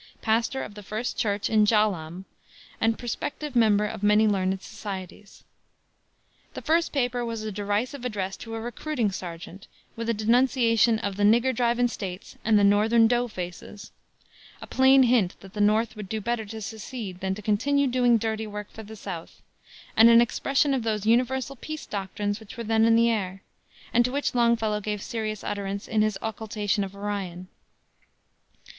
pastor of the First Church in Jaalam, and (prospective) member of many learned societies. The first paper was a derisive address to a recruiting sergeant, with a denunciation of the "nigger drivin' States" and the "northern dough faces," a plain hint that the North would do better to secede than to continue doing dirty work for the South, and an expression of those universal peace doctrines which were then in the air, and to which Longfellow gave serious utterance in his Occultation of Orion.